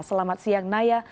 selamat siang naya